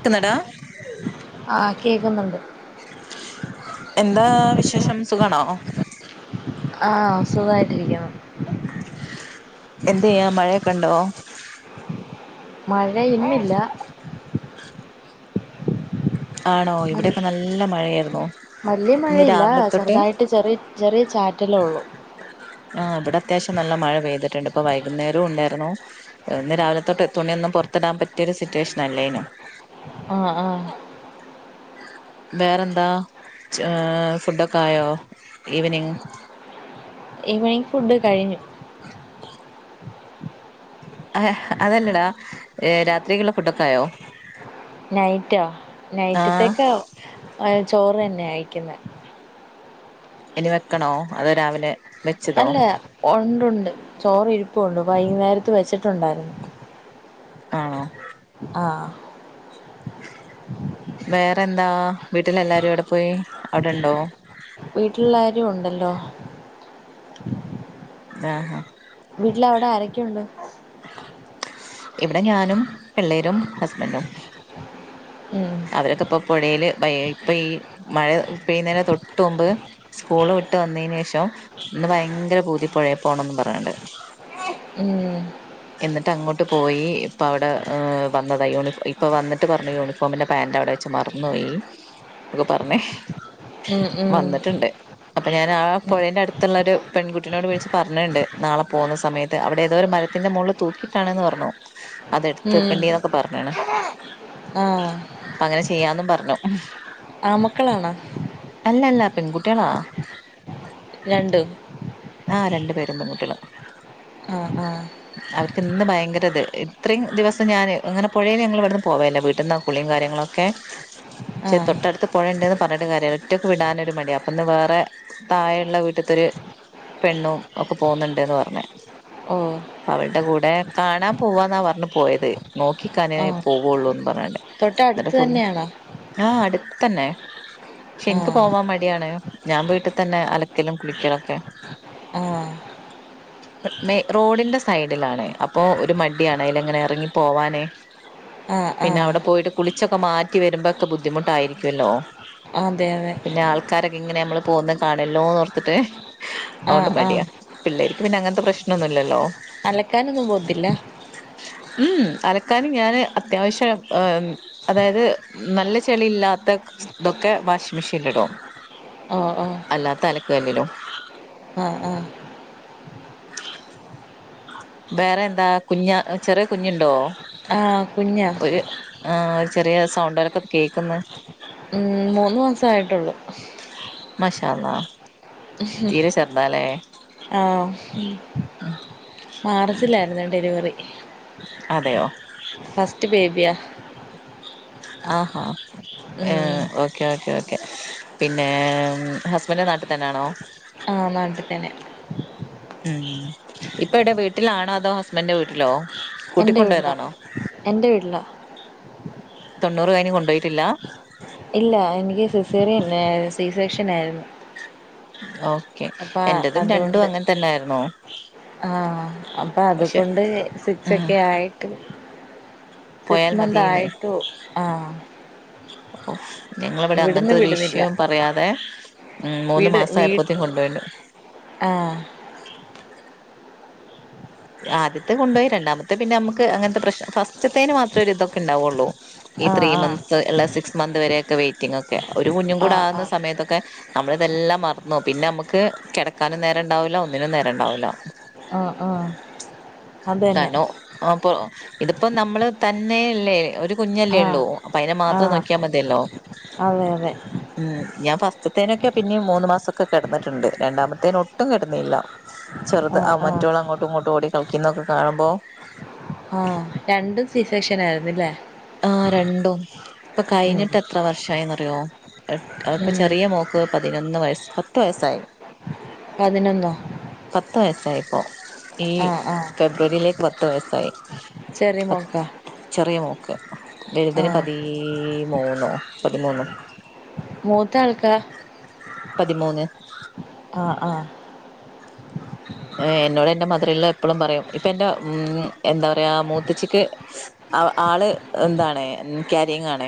ക്കുന്നടാ ആ കേക്കുന്ന്ണ്ട് എന്താ വിശേഷം സുഖാണോ ആ സുഖായിട്ടിരിക്കുണു എന്തേയ്യാ മഴക്കെണ്ടോ മഴ ഇന്നില്ല ആണോ ഇവിടൊക്കെ നല്ല മഴ ആയ്‌ര്ന്നു വല്ല്യ മഴയില്ലാ ചെർതായിട്ട് ചെറ്യേ ചെറ്യേ ചാറ്റലൊള്ളു ആ ഇവടെ അത്യാവശ്യം നല്ല മഴ പെയ്തിട്ട്ണ്ട് ഇപ്പൊ വൈകുന്നേരുണ്ടാര്ന്നു ഇന്ന് രാവിലത്തോട്ട് തുണിയൊന്നും പൊർത്തിടാം പറ്റിയ ഒരു സിറ്റുവേഷൻ അല്ലേയ്നു ആ ആ വേറെന്താ ച്ച് ഫുഡൊക്കെ ആയോ ഈവനിങ് ഇവനിങ് ഫുഡ് കഴിഞ്ഞു ആ അതല്ലടാ ഈ രാത്രിക്കുള്ള ഫുഡൊക്കെ ആയോ നൈറ്റോ ആ നൈറ്റത്തേക്ക് ചോറന്നെഅയ്ക്കുന്ന ഇനി വെക്കണോ അതോ രാവിലെ വെച്ചതോ അല്ല ഒണ്ടുണ്ട് ചോറ് ഇരിപ്പുണ്ട് വൈകുന്നേരത്ത് വെച്ചിട്ടുണ്ടാര്ന്നു ആണോ ആ വേറെ എന്താ വീട്ടിലെല്ലാരും എവിടെ പോയി അവിടെണ്ടോ വീട്ടിള്ളാരു ഉണ്ടല്ലോ ആ ഹാ വീട്ടില് അവ്‌ടെ ആരെക്കെയുണ്ട് ഇവടെ ഞാനും പിള്ളേരും ഹസ്ബൻഡും ഉം അവരൊക്കെ ഇപ്പോ പൊഴേല് ഇപ്പ ഈ മഴ പെയ്യുന്നേന് തൊട്ട് മുമ്പ് സ്കൂള് വിട്ട് വന്നെന് ശേഷം ഇന്ന് ഭയങ്കര പൂതി പൊഴെ പോണംന്ന് പർഞ്ങ്ങാണ്ട് ഉം എന്നിട്ട് അങ്ങോട്ട് പോയി ഇപ്പ അവടെ വന്നതായി യൂണി ഇപ്പ. വന്ന്ട്ട് പർഞ് യൂണി ഫോമിന്റെ പാൻറ് അവിടെ വെച്ച് മർന്ന് പോയി ന്നൊക്കെ പർഞ് ഉം ഉം വന്ന്ട്ട്ണ്ട് അപ്പ ഞാൻ ആ ഉം പൊഴേന്റെ അട്ത്ത്ള്ള ഒരു പെൺകുട്ടിനോട് വിൾച്ച് പർഞ്ഞിണ്ട് നാളെ പോവുന്ന സമയത്ത് അവടെ ഏതോ ഒരു മര ത്തിന്റെ മോൾല് തൂക്കിട്ടാണന്ന് പറഞ്ഞു അത് എടുത്ത് ഉം വെക്കേണ്ടി ന്നൊക്കെ പർഞ്ഞിണ് ആഹ് അപ്പ അങ്ങനെ ചെയ്യാന്നും പർഞ്ഞു ആമക്കളാണ അല്ല അല്ല പെൺകുട്ടികളാ രണ്ടും ആ രണ്ട് പേരും പെൺകുട്ടിയളാ ആ ആ അവര്ക്ക് ഇന്ന് ഭയങ്കര ഇത് ഇത്രി ദിവസം ഞാന് ഇങ്ങനെ പൊഴേ ഞങ്ങള് ഇവട്ന്ന് പോവേല്ല വീട്ട്ന്ന് കുളീം കാര്യങ്ങളൊക്കെ ക്കെ ചേ ആഹ് തൊട്ടട്ത്ത് പൊഴണ്ട് ന്ന് പർഞ്ഞിട്ട് കാര്യല്ല ഒറ്റക്ക് വിടാനൊരു മടി അപ്പം ഇന്ന് വേറെ തായെള്ള വീട്ട്ത്തൊരു പെണ്ണും ഒക്ക പോവുന്നുണ്ട്ന്ന് പർഞ്ഞ് ഓ അവൾടെ കൂടെ കാണാം പോവാന്നാ പർഞ്ഞ് പോയത് നോക്കിക്കാനേ ആഹ് പോവോള്ളൂ ന്ന് പർഞാണ്ട് ന്നട്ട് തൊട്ടടുത്ത് [unintelligible] തന്നെയാണോ ആ അട്ത്തന്നെ പക്ഷെ ഇൻക്ക് ആഹ് പോവാം മടിയാണ് ഞാൻ വീട്ട് തന്നെ അലക്കലും കുളിക്കലൊക്കെ ആ റോഡ്ന്റെ സൈഡിലാണ് അപ്പോ ഒരു മടിയാണ് അയിലങ്ങനെ എർങ്ങി പോവാന് ആഹ് പിന്ന ആഹ് അവ്ട പോയിട്ട് കുളിച്ചൊക്കെ മാറ്റി വരുമ്പക്കെ ബുദ്ധിമുട്ടായിരിക്കല്ലോ അതെ അതെ പിന്നെ ആൾക്കാരൊക്കെ ഇങ്ങനെ നമ്മള് പോവുന്നെ കാണല്ലോ ന്നോർത്ത്ട്ട് അതൊണ്ട് ആഹ് ആഹ് മടിയാ പിള്ളേര്ക്ക് പിന്നെ അങ്ങൻത്തെ പ്രശ്നൊന്നുല്ലല്ലോ അലക്കാനൊന്നും പോത്തില്ല ഉം അലക്കാനും ഞാന് അത്യാവശ്യം ആ അതായത് നല്ല ചെളി ഇല്ലാത്ത ഇതൊക്കെ വാഷിംഗ് മെഷീനിൽ ഇടും ഓ ഓ അല്ലാത്ത അലക്ക് കല്ലിലും ആഹ് ആഹ് വേറെ എന്താ കുഞ്ഞ ചെറിയ കുഞ്ഞുണ്ടോ ആഹ് കുഞ്ഞാ ഒരു ആഹ് ഒരു ചെറിയ സൗണ്ടരൊക്കെ കേക്ക്ന്ന് ഉം മൂന്ന് മാസേ ആയിട്ടുള്ളൂ മാഷാ അള്ളാ തീരെ ചെറുതാല്ലേ ആഹ് മാർച്ചിലാര്ന്ന് ഡെലിവറി അതെയോ ഫസ്റ്റ് ബേബിയാ ആഹ് ഉം ഏഹ് ഓക്കെ ഓക്കെ ഓക്കെ പിന്നെ ഹസ്ബൻഡ് നാട്ടിൽ തന്നാണോ ആഹ് നാട്ടി തന്നെ ഉം ഇപ്പ ഇവിടെ വീട്ടിലാണോ അതോ ഹസ്ബൻന്റെ വീട്ടിലോ എൻ്റെ വീട്ടിലാ കൂട്ടിക്കൊണ്ടോയതാണോ എൻ്റെ വീട്ടിലാ തൊണ്ണൂറ് കഴിഞ്ഞ്കോണ്ടോയിട്ടില്ല ഇല്ല എനിക്ക് സി സെറിയൻ സി സെക്ഷനായിരുന്നു ഓക്കെ എന്റതും രണ്ടും അങ്ങൻ തന്നെ ആയിരുന്നു ആഹ്അപ്പൊ അതുകൊണ്ട് സിക്സ് ഉം ഒക്കെ ആയി പോയാൽ സിക്സ് മന്ത് മതിന്ന് ആയിട്ടു ആഹ് ഓ ഞങ്ങളിവിടെ അങ്ങന് ഇവിടുന്ന് ത്തൊരു വിടുന്നില്ല ഇഷ്യൂ പറയാതെ ഉം മൂന്ന് വീട് മാസം വീട്ട് ആയപ്പോത്തേക്കും കൊണ്ടുപോയിണ്ട് ആഹ് ആദ്യത്തെ കൊണ്ടോയി രണ്ടാമത്തെ പിന്നെ നമുക്ക് അങ്ങനത്തെ പ്രശ്നം ഫസ്റ്റത്തേന് മാത്രേ ഒര് ഇതൊക്കെ ഉണ്ടാവുള്ളൂ ഈ ത്രീ ആഹ് ആഹ് മന്ത്സ് അല്ല സിക്സ് മന്ത് വരെയൊക്കെ വെ്റ്റിംഗ്ഒക്കെ ഒരു കുഞ്ഞും കൂടെ ആഹ് ആകുന്ന സമയത്തൊക്കെ നമ്മള് ഇതെല്ലാം മറന്നു പിന്നെ നമ്മക്ക് കെടക്കാനും നേരണ്ടാവൂല ഒന്നിനും നേരണ്ടാവൂല ആഹ് ആഹ് അതന്നെ താനോ അപ്പോ ഇതിപ്പോ നമ്മള് തന്നേയല്ലേ ഒരു കുഞ്ഞല്ലേ ആഹ് ഉള്ളൂ അപ്പൊ അതിനെ മാത്രേ ആഹ് നോക്കിയാൽ മതിയല്ലോ അതെ അതെ ഉം ഞാൻ ഫസ്റ്റത്തേനൊക്കെ പിന്നിം മൂന്ന് മാസംക്കെ കെടന്നിട്ട്ണ്ട് രണ്ടാമത്തേന്ഒട്ടും കെടന്നില്ല ചെറുത് ആ ആഹ് ആഹ് മറ്റോള്ള് അങ്ങോട്ടും ഇങ്ങോട്ടും ഓടി കളിക്കുന്നതൊക്കെ കാണുമ്പോ ആഹ് രണ്ടും സി സെക്ഷൻ ആയിരുന്നില്ലേ ആഹ് രണ്ടും ഇപ്പൊ കഴിഞ്ഞിട്ട് എത്ര വർഷയിന്നറിയോ അപ്പോ ഉം ചെറിയ മോക്ക് പതിനൊന്ന് വയസ്സ് പത്ത് വയസ്സായി പതിനൊന്നോ പത്ത് വയസ്സായിപ്പോൾ ഈ ആഹ് ആഹ് ഫെബ്രുവരിയിലേക്ക് പത്ത് വയസ്സായി ചെറിയ മോൾക്കാ പത്ത്ചെറിയ മോക്ക് വലുതിന് ആഹ് പതി ഈ മൂന്നോ പതിമൂന്നോ മൂത്ത ആൾക്കാ പതിമൂന്ന് ആഹ് ആഹ് എന്നോട് എൻ്റെ മദർ ല്ലോ എപ്പോളും പറയും ഇപ്പം എന്റെ എന്താ പറയാ മൂത്തച്ചിക്ക് ആ ആള് എന്താണ് ക്യാരിങ്ങാണ്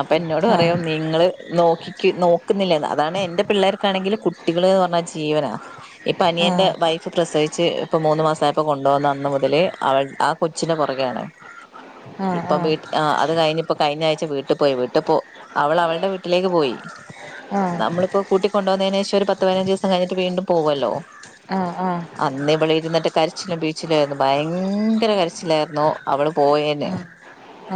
അപ്പൊ എന്നോട് ആഹ് പറയും നിങ്ങള് നോക്കിക്കേ നോക്കുന്നില്ലന്ന് അതാണ് എൻറെ പിള്ളേർക്കാണെങ്കില് കുട്ടികൾ എന്ന് പറഞ്ഞാ ജീവനാ ഇപ്പനിയൻ ആഹ് ൻ്റെ വൈഫ് പ്രസവിച്ച് ഇപ്പോ മൂന്ന് മാസയപ്പോ കൊണ്ടോന്ന അന്ന് മുതൽഅവൾ ആ കൊച്ചിൻ്റെ പൊറകെയാണ് ഇപ്പം വീട്ട് ആഹ് അത് കഴിഞ്ഞ് ഇപ്പോ കഴിഞ്ഞ ആഴ്ച വീട്ടി പോയി വീട്ട് പോ അവള് അവൾടെ വീട്ടിലേക്ക് പോയി ആഹ് നമ്മളിപ്പോ കൂട്ടി കൊണ്ടോന്നേന് ശേഷം ഒരു പത്ത് പതിനഞ്ച് ദിവസം കഴിഞ്ഞിട്ട് വീണ്ടും പോകുവല്ലോ ആഹ് ആഹ് അന്ന് ഇവള് ഇരുന്നിട്ട് കരച്ചിലും പിഴിച്ചിലായിരുന്നു ഭയങ്കര കരച്ചിലായിരുന്നു അവള് പോയേന്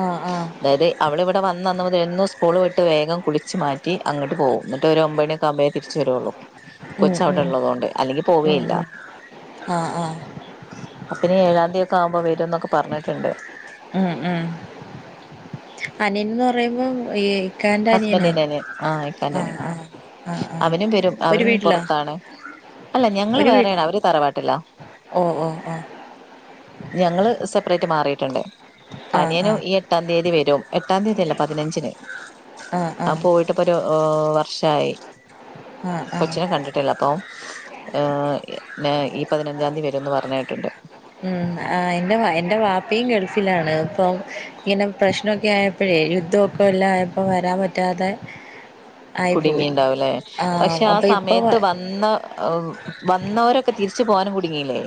ആഹ് ആഹ് അതായത് അവള് ഇവിടെ വന്നന്ന് മുതൽ സ്കൂൾ വിട്ട് വേഗം കുളിച്ച് മാറ്റി അങ്ങട്ട് പോകും എന്നിട്ട് ഒരു ഒമ്പണി ക്കാമ്പേ തിരിച്ചുവരുവുള്ളൂ ഉം കൊച്ച് അവിടെ ഉം ഒള്ളതോണ്ട് അല്ലെങ്കി ഉം പോവേല്ല ഉം ല്ല ആഹ് ആഹ് അപ്പനി ഏഴാം തീ ഒക്കെ ആവുമ്പോ വരും എന്നൊക്കെ പറഞ്ഞട്ട്ണ്ട് ഉം ഉം അനിയൻന്ന് പറയുമ്പോ ഈ ഇക്കാന്റെ അനിയനാ ഹസ്ബൻഡിന്റെ അനിയൻ ആഹ് ആഹ് ഇക്കാന്റനിയൻ ആഹ് ആഹ് ആഹ് അവനും വരും ഒരു അവനും വീട്ടിലാ പുറത്താണ് അല്ല ഞങ്ങള് ഒരു വീട്ടിൽ വേറെയാണ് അവര് തറവാട്ടിലാ ഓഹ് ഓഹ് ഓഹ് ഞങ്ങള് സെപ്പറേറ്റ് മാറിയിട്ടുണ്ട് അപ്പ ആഹ് ആഹ് അനിയനുംഈ എട്ടാം തീയതി വരും എട്ടാം തീയതിയല്ല പതിനഞ്ചിന് ആഹ് അവൻ ആഹ് പോയിട്ട് ട്ടിപ്പൊരു ഏഹ് ഒരു വർഷായി ആഹ് ആഹ് കൊച്ചിനെ കണ്ടിട്ടില്ല അപ്പോ ഏഹ് ന്നെ ഈ പതിനഞ്ചാം തീ വരുന്ന് പറഞ്ഞ കേട്ടിട്ടുണ്ട് ഉം ആഹ് ഇൻ്റെ എൻ്റെ വാപ്പയും ഗൾഫിലാണ് ഇപ്പം ഇങ്ങനെ പ്രശ്നൊക്കെ ആയപ്പോ പ്പഴെ യുദ്ധവൊക്കെ എല്ലാം ആയപ്പോ വരാൻ പറ്റാതെ ആയിപ്പോയി കുടുങ്ങിണ്ടാവൂല്ലേ ആഹ് പക്ഷെ ആ അപ്പൊ ഇപ്പൊ സമയത്ത് വന്ന ഏഹ് വന്നോരൊക്കെ തിരിച്ച് പോകാനും കുടുങ്ങില്ലേ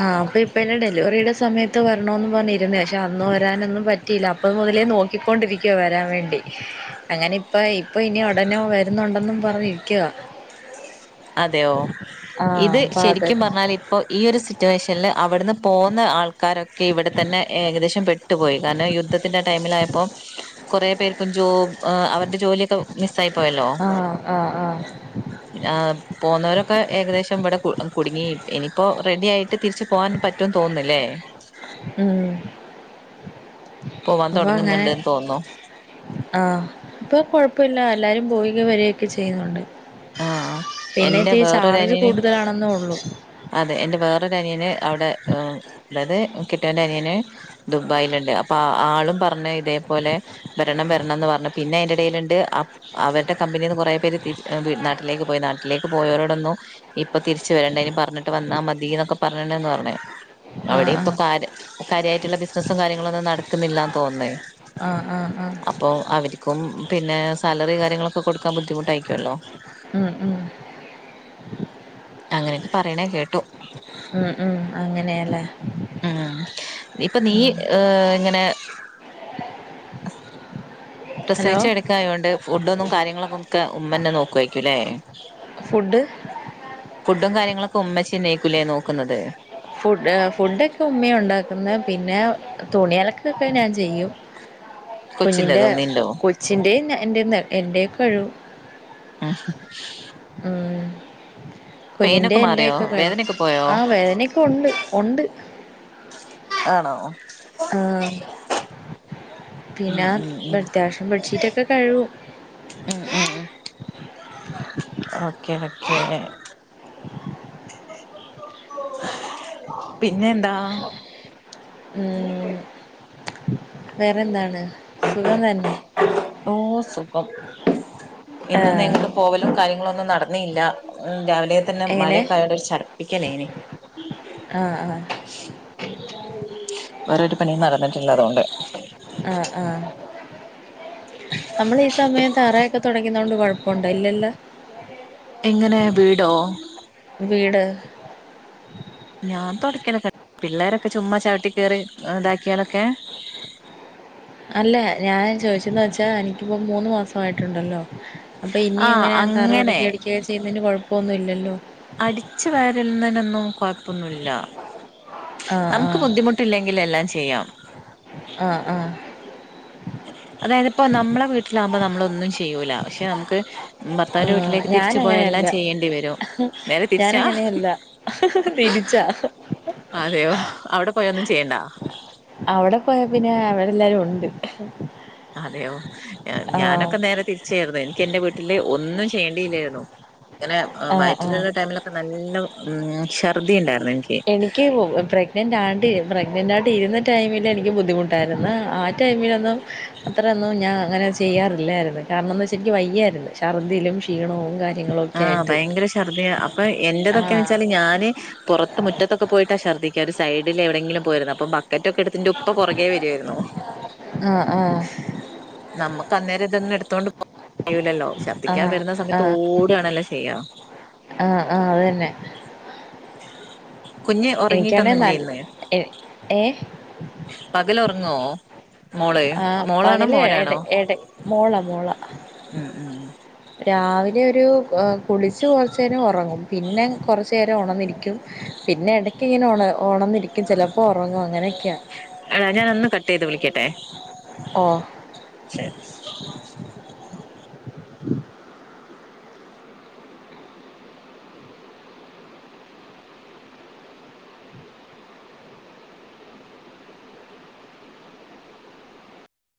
ആഹ് അപ്പ ഇപ്പ എൻ്റെ ഡെലിവറിയുടെ സമയത്ത് വരണോന്ന് പറഞ്ഞിരുന്നയാ പക്ഷെ അന്ന് വരാനൊന്നും പറ്റിയില്ല അപ് അപ്പ മുതലേ നോക്കിക്കൊണ്ടിരിക്കുവാ വരാൻ വേണ്ടി അങ്ങനെ ഇപ്പ ഇപ്പൊ ഇനി ഒടനെ വരുന്നുണ്ടെന്നും പറഞ്ഞിരിക്കുവാ അതെയോ ആഹ് ഇത് അപ്പൊ അതെ ശരിക്കും പറഞ്ഞാ ഇപ്പോ ഈ ഒരു സിറ്റുവേഷനിൽ അവിടെന്ന് പോന്ന ആൾക്കാരൊക്കെ ഇവിടെ തന്നെ ഏകദേശം പെട്ട് ട്ടു പോയി കാരണം യുദ്ധത്തിന്റെ ആ ടൈമിലായപ്പോ കൊറെ പേർക്കും ജോബ് ഏഹ് അവരുടെ ജോലി ഒക്കെ മിസ്സായി പോയല്ലോ ആഹ് ആഹ് ആഹ് ആഹ് പോന്നവരൊക്കെ ഏകദേശം ഇവിടെ കു കുടുങ്ങി ഇനിയിപ്പോ റെഡി ആയിട്ട് തിരിച്ച് പോകാൻ പറ്റൂന്ന് തോന്നുന്നല്ലേ ഉം പോവാൻ അപ്പൊ അങ്ങനെ തൊടങ്ങുന്നുണ്ട്ന്ന് തോന്നുന്നു ആഹ് ഇപ്പൊ കൊഴപ്പല്ല എല്ലാരും പോയികേ വരൊക്കെ ചെയ്യുന്നുണ്ട് ആഹ് പിന്നെ എന്റെ ഇത്തിരി ചാർജ് വേറൊരനിയന് കൂടുതലാണെന്നെ ഒള്ളു അതെ എൻ്റെ വേറൊരു അനിയന് അവിടെ ഉം അതായത് കെട്ട്യോൻ്റെ അനിയന് ദുബായിലുണ്ട് അപ്പൊ ആ ആളും പറഞ്ഞെ ഇതേപോലെ വെരണം വെരണന്ന് പറഞ്ഞു പിന്നെ അയിന്റെ എടയിൽ ഇണ്ട് അപ് അവരുടെ കമ്പനീന്ന് കൊറേ പേര് തിരി വീ നാട്ടിലേക്ക് പോയി നാട്ടിലേക്ക് പോയവരോടൊന്നും ഇപ്പൊ തിരിച്ചു വരണ്ട ഇനി പറഞ്ഞിട്ട് വന്നാ മതീന്നൊക്കെ പറഞ്ഞണ്ണ്ന്ന് പറഞ്ഞ് ആഹ് അവിടെയും ഇപ്പൊ ആഹ് കാര്യ കാര്യായിട്ടുള്ള ബിസിനസ്സും കാര്യങ്ങളും ഒന്നും നടക്കുന്നില്ലാന്ന് തോൻന്ന് ആഹ് ആഹ് ആഹ് അപ്പൊ അവരിക്കും പിന്നെ സാലറി കാര്യങ്ങളൊക്കെ കൊടുക്കാൻ ബുദ്ധിമുട്ടായിക്കുവല്ലോ [inaudible] ഉം ഉം അങ്ങനെയൊക്കെ പറയണ കേട്ടു ഉം ഉം അങ്ങനെയാല്ലേ ഉം ഇപ്പൊ നീ ഇങ്ങനെ ഹലോ പ്രസവിച്ച് കെടക്കായോണ്ട് ഫുഡൊന്നും കാര്യങ്ങളൊക്കെ ഉമ്മന്നെ നോക്കുവായിരിക്കൂല്ലേ ഫുഡ് ഫുഡും കാര്യങ്ങളൊക്കെ ഉമ്മച്യെന്നെക്കും ലേ നോക്കുന്നത് ഫുഡ് ഫുഡൊക്കെ ഉമ്മ്യ ഉണ്ടാക്കുന്നത് പിന്നെ തുണി അലക്കൊക്കെ ഞാൻ ചെയ്യും കുഞ്ഞിൻ്റെ കൊച്ചിന്റെതും നിന്റോ കൊച്ചിന്റേം എന്റെ എന്റേം കഴ്കും [inaudible] ഉം പെയിനൊക്കെ കുഞ്ഞിന്റേം മാറിയോ എൻ്റെയൊക്കെ കഴ് വേദനയൊക്കെ പോയോ ആ വേദന പ്പൊണ്ട് ഒണ്ട് ആണോ പിന്ന ഉം ഉം ഉം അത്യാവശ്യം ബെഡ്ഷീറ്റൊക്കെ കഴുകും ഉം ഉം ഓക്കെ ഓക്കേ പിന്നെന്താ ഉം വേറെന്താണ് സുഖം തന്നെ ഓ സുഖം ഇന്നൊന്നും ആഹ് എങ്ങട്ടും പോവലും കാര്യങ്ങളൊന്നും നടന്നീല്ല രാവിലെ തന്നെ എങ്ങനെ മഴയൊക്കായോണ്ടൊര് ചട്പ്പിക്കലേയ്ന് ആ ആ വേറൊരു പണീം നടന്ന്ട്ടില്ല അതോണ്ട് ആ ആ നമ്മളീ സമയം തറയൊക്കെ തൊടക്യുന്നോണ്ട് കൊഴപ്പണ്ടോ ഇല്ലല്ലോ എങ്ങനെ വീടോ വീട് ഞാൻ തൊടയ്ക്കലൊക്കെണ്ട് പിള്ളേരൊക്കെ ചുമ്മാ ചവിട്ടി കേറി ഇതാക്ക്യാലൊക്കെ അല്ല ഞാൻ ചോദിച്ചെന്ന് വെച്ചാ എനിക്കിപ്പോ മൂന്ന് മാസായിട്ടുണ്ടല്ലോ അപ്പോ ഇനി ആഹ് എങ്ങനെ അങ്ങനെ തറൊടക്ക്യ അടക്കിന്നും ചെയ്യുന്നതിന് കൊഴപ്പന്നുല്ലല്ലോ അടിച്ചു വാരലിന്നൊന്നും കൊഴപ്പൊന്നുല്ല ആഹ് നമുക്ക് ആഹ് ബുദ്ധിമുട് ട്ടില്ലെങ്കി എല്ലാം ചെയ്യാം ആ ആ അതായത്പ്പോ നമ്മളെ വീട്ടിലാകുമ്പോ നമ്മളൊന്നും ചെയ്യൂല പക്ഷെ നമുക്ക് ഭർത്താവിന്റെ ആഹ് വീട്ടിലേക്ക് തിരിച്ച്പോയ എല്ലാം ഞാനങ്ങനെയല്ല ചെയ്യേണ്ടി വെരും ഞാനങ്ങനെയല്ല തിരിച്ചാ അതെയോ അവിടെ പോയ ഒന്നും ചെയ്യണ്ട അവിടെ പോയാ പിന്നെ അവരെല്ലാരൊണ്ട് അതെയോ ഞാനൊക്കെ നേരെ തിരിച്ചേര്ന്നു എനിക്ക് എന്റെ വീട്ടില് ഒന്നും ചെയ്യേണ്ടില്ലേര്ന്നു ങ്ങനെ ആഹ് ആഹ് വയറ്റ്ല്ള്ള ടൈമിലൊക്കെ നല്ല ഉം ശർദ്ദിണ്ടാർന്നു എനിക്ക് എനിക്ക് വു പ്രെഗ് ന്റാണ്ടി പ്രഗ്നെന്റായ്ട്ട്ര്ന്ന ടൈമിലെനിക്ക് ബുദ്ധിമുട്ടായിര്ന്നു ആ ടൈമിലൊന്നും അത്രയൊന്നും ഞാൻ അങ്ങനെ ചെയ്യാറില്ലാര്ന്ന് കാരണം ന്ന് വെച്ചാ എനിക്ക് വയ്യാര്ന്ന് ഛർദ്ദിലും ക്ഷീണവും കാ ആ ഭയങ്കര ശർദ്ദ്യ അപ്പൊ എന്റോതൊക്കെന്ന് ആഹ് വെച്ചാല് ഞാന് പൊറത്ത് മുറ്റത്തൊക്കെ പോയിട്ടാ ശർദ്ധിക്ക ഒരു സൈഡില് എവിടെങ്കിലും പോയിരുന്ന് അപ്പൊ ബക്കറ്റൊക്കെട്ത്ത് ന്റെ ഉപ്പ പൊറകേ വെരുവായിരുന്നു. ആ ആ നമ്മക്കന്നേരം ഇതൊന്നും എടുത്തോണ്ട് പോവാൻ കയ്യൂലല്ലോ ശർദ്ദിക്കാൻ ആഹ് വെര്ന്ന സമയത്ത് ഓടാണല്ലോ ചെയ്യാ ആ ആ അതെന്നെ കുഞ്ഞ് എനിക്കാണെ നല്ല ഒറങ്ങിട്ടൊന്നുല്ലേന്ന് ഏഹ് പകലൊർങോ ആ പകല് എടെ എടെ മോള മോള ഉം ഉം രാവിലെ ഒരു കുളിച്ച് കൊർച്ചേരം ഒറങ്ങും പിന്നെ കൊർച്ചേരം ഒണന്നിരിക്കും പിന്നെ എടയ്ക്ക്ങ്ങനെ ഒണ ഒണന്നിരിക്കും ചെലപ്പോ ഉറങ്ങും അങ്ങനൊക്ക്യാ എടാ ഞാനൊന്ന് കട്ട് ചെയ്ത് വിളിക്കട്ടെ ഓ ശരി